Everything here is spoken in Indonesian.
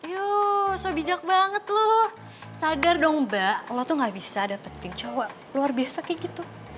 yuu so bijak banget lo sadar dong mbak lo tuh gak bisa dapetin cowok luar biasa kayak gitu